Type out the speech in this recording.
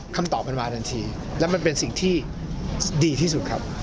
คำตอบมันมาทันทีและมันเป็นสิ่งที่ดีที่สุดครับ